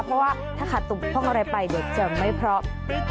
เพราะว่าถ้าขาดตกบกพร่องอะไรไปเดี๋ยวจะไม่พร้อม